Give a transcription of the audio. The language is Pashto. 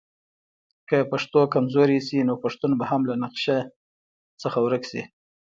که پښتو کمزورې شي نو پښتون به هم له نقشه څخه ورک شي.